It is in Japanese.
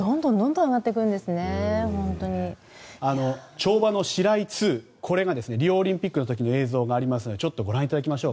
跳馬のシライ２リオオリンピックの映像があるのでご覧いただきましょう。